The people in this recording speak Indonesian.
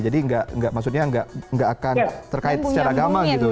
jadi maksudnya tidak akan terkait secara agama gitu